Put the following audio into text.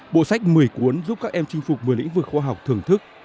bộ sách một mươi cuốn giúp các em chinh phục một mươi lĩnh vực khoa học thưởng thức